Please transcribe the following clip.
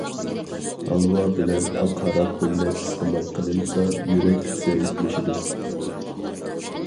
ھالۋا بىلەن ئاق ھاراق بىللە ئىستېمال قىلىنسا، يۈرەك زەئىپلىشىدۇ.